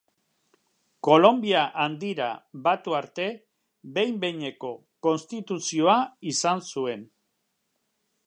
Kolonbia Handira batu arte behin-behineko konstituzioa izan zuen.